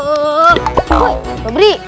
woi mbak siti